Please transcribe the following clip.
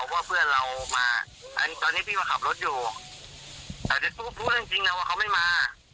ว่าเพื่อนเรามาตอนนี้พี่มาขับรถอยู่แต่พูดจริงจริงนะว่าเขาไม่มา